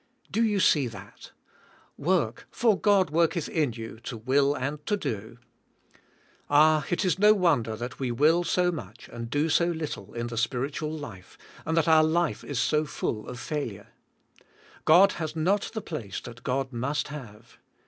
Do you see that? Work for God worketh in you to will and to do. Ah, it is no wonder that we will so much and 188 THEj SPIRll^tJAt tiF^. do SO little in the spiritual life, and that our life is so full of failure. God has not the place that God must have.